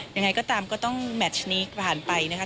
ยังไงก็ตามก็ต้องแมชนี้ผ่านไปนะคะ